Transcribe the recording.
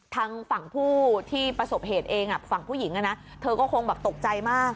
ทางฝั่งผู้ที่ประสบเหตุเองฝั่งผู้หญิงเธอก็คงแบบตกใจมาก